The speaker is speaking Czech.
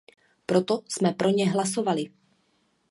Proto jsme pro ně hlasovali.